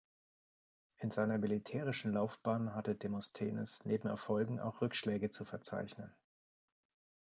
In seiner militärischen Laufbahn hatte Demosthenes neben Erfolgen auch Rückschläge zu verzeichnen.